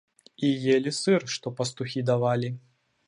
І елі сыр, што пастухі давалі.